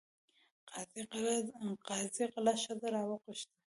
قاضي غله ښځه راوغوښته.